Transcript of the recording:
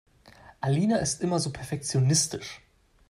Alina ist immer so perfektionistisch.